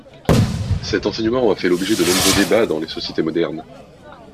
Cet enseignement a fait l'objet de nombreux débats dans les sociétés modernes.